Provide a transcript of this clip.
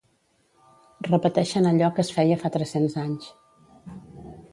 Repeteixen allò que es feia fa tres-cents anys.